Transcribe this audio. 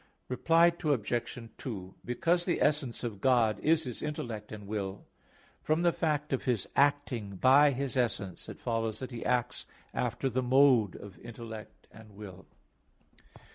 Reply Obj. 2: Because the essence of God is His intellect and will, from the fact of His acting by His essence, it follows that He acts after the mode of intellect and will.